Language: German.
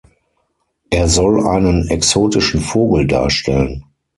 Er soll einen exotischen Vogel darstellen.